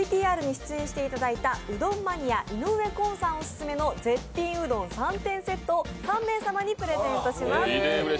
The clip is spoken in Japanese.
ＶＴＲに出演していただいたうどんマニア、井上こんさん推薦の絶品うどん３点セットを３名様にプレゼントします。